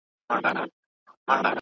کمپيوټر ريکارډ جوړوي.